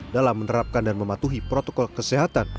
dalam menerapkan dan mematuhi protokol kesehatan